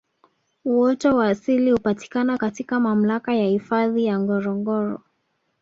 Uoto wa asili hupatikna katika mamlaka ya hifadhi ya Ngorongoro